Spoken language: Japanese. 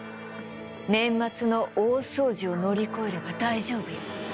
年末の大掃除を乗り越えれば大丈夫よ。